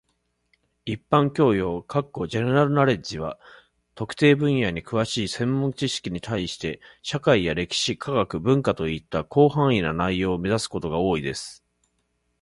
一般教養 （general knowledge） は、特定分野に詳しい専門知識に対して、社会や歴史、科学、文化といった広範な内容を指すことが多いです。